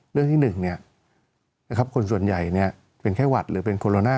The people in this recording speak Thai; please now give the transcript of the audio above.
เรื่องที่๑คนส่วนใหญ่เป็นไข้หวัดหรือเป็นโคโรนา